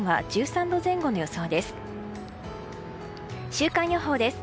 週間予報です。